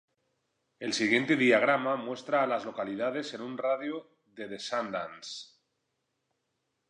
El siguiente diagrama muestra a las localidades en un radio de de Sundance.